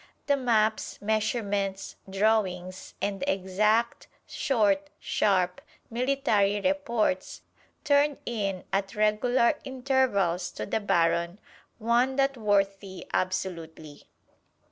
The maps, measurements, drawings, and the exact, short, sharp, military reports turned in at regular intervals to the Baron won that worthy absolutely.